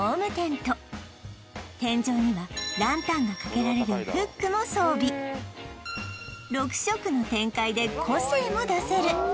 天井にはランタンが掛けられるフックも装備６色の展開で個性も出せる